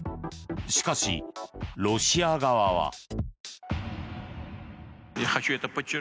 しかし、ロシア側は。